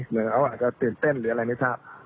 เหมือนเขาอาจจะตื่นเต้นหรืออะไรไม่ทราบ